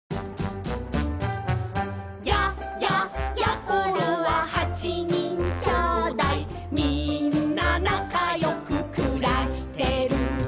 「や、や、やころははちにんきょうだい」「みんななかよくくらしてる」